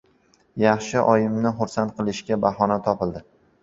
Yaxshi, oyimni xursand qilishga bahona topildi.